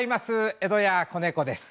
江戸家小猫です。